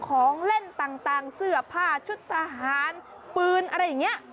ของเล่นต่างเสื้อผ้าชุดทหารปืนอะไรอย่างนี้